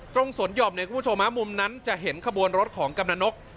ตรงสวนหย่อมเนี่ยคุณผู้ชมฮะมุมนั้นจะเห็นขบวนรถของกำลังนก